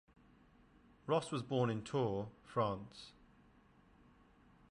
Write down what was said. Ross was born in Tours, France.